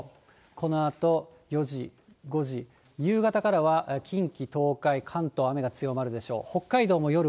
このあと４時、５時、夕方からは近畿、東海、関東、雨が強まるでしょう。